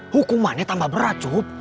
hukumannya tambah berat